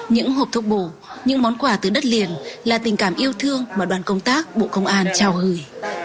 những hộp thuốc bổ những món quà từ đất liền là tình cảm yêu thương mà đoàn công tác bộ công an trao gửi